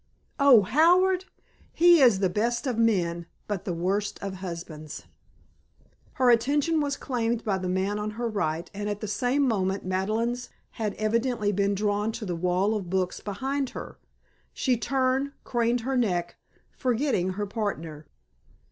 "Oh, Howard! He is the best of men but the worst of husbands." Her attention was claimed by the man on her right and at the same moment Madeleine's had evidently been drawn to the wall of books behind her. She turned, craned her neck, forgetting her partner.